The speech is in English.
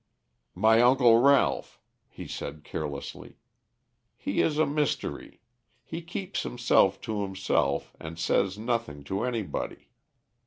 "My uncle Ralph," he said carelessly. "He is a mystery. He keeps himself to himself and says nothing to anybody.